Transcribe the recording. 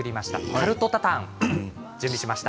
タルト・タタンを準備しました。